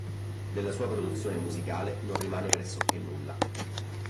Della sua produzione musicale non rimane pressoché nulla.